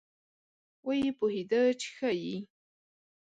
وایي پوهېده چې ښایي.